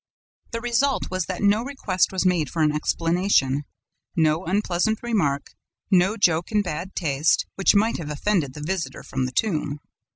The result was that no request was made for an explanation; no unpleasant remark; no joke in bad taste, which might have offended this visitor from the tomb.